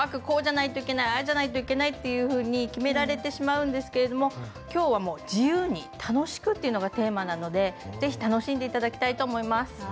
こうじゃないといけないああじゃないといけないっていうふうに決められてしまうんですけれども今日はもう自由に楽しくっていうのがテーマなので是非楽しんでいただきたいと思います。